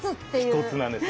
１つなんです。